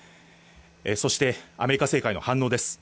そして、アメリカ政界の反応です。